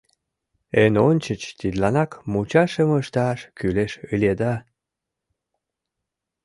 Эн ончыч тидланак мучашым ышташ кӱлеш ыле да.